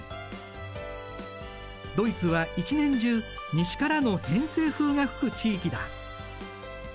ドイツは一年中西からの偏西風が吹く地域だ。